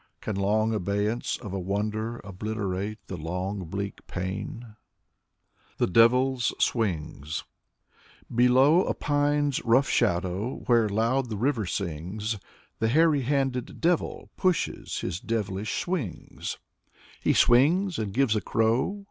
Can long abeyance of a wonder Obliterate the long bleak pain? 66 Fyodor Sologub THE DEVIL'S SWINGS Below a pine's rough shadow, Where loud the river sings, The hairy handed devil Pushes his devilish swings. He swings, and gives a crow.